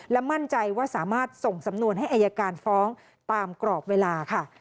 และมั่นใจว่าสามารถส่งสำนวนให้อายการฟ้องตามกรอบเวลาค่ะ